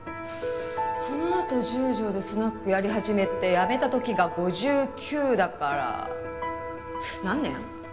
そのあと十条でスナックやり始めてやめた時が５９だから何年？